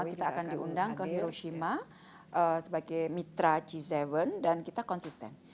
kita akan diundang ke hiroshima sebagai mitra g tujuh dan kita konsisten